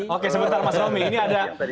yang tadi saya sampaikan